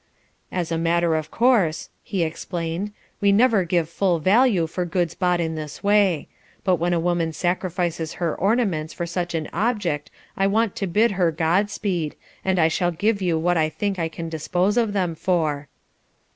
"As a matter of course," he explained, "we never give full value for goods bought in this way; but when a woman sacrifices her ornaments for such an object I want to bid her God speed, and I shall give you what I think I can dispose of them for."